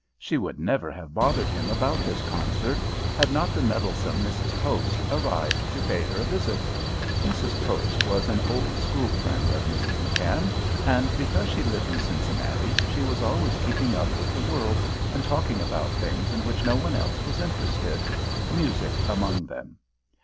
She would never have bothered him about this concert had not the meddlesome Mrs. Post arrived to pay her a visit. Mrs. Post was an old school friend of Mrs. McKann, and because she lived in Cincinnati she was always keeping up with the world and talking about things in which no one else was interested, music among them.